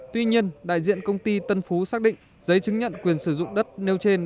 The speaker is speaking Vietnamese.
tuy nhiên đại diện công ty tân phú xác định giấy chứng nhận quyền sử dụng đất nêu trên